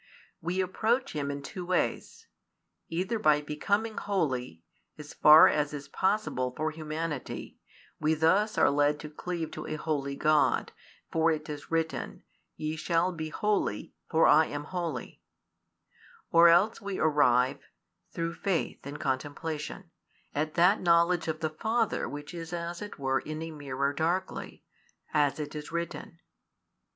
We approach Him in two ways: either by becoming holy, as far as is possible for humanity, we thus are led to cleave to a holy God, for it is written: Ye shall be holy, for I am holy; or else we arrive, through faith and contemplation, at that knowledge of the Father which is as it were in a mirror darkly, as it is written.